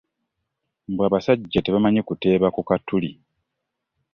Mbu abasajja tebamanyi kuteeba ku katuli.